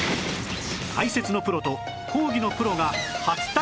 解説のプロと講義のプロが初タッグ！